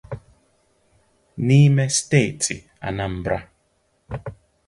n'ime steeti Anambra.